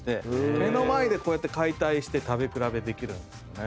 目の前でこうやって解体して食べ比べできるんですよね。